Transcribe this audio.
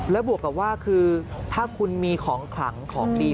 แล้วบวกกับว่าคือถ้าคุณมีของขลังของดี